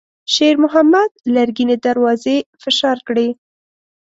شېرمحمد لرګينې دروازې فشار کړې.